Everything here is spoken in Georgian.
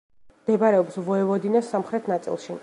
მდებარეობს ვოევოდინას სამხრეთ ნაწილში.